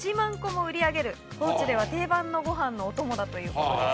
高知では定番のご飯のお供だということです。